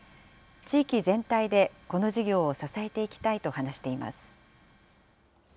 地域全体でこの事業を支えていきたいと話しています。